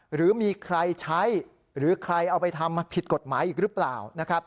หรือมีใครใช้หรือใครเอาไปทำมาผิดกฎหมายอีกหรือเปล่านะครับ